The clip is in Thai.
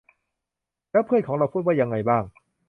แล้วเพื่อนของเราพูดว่ายังไงบ้าง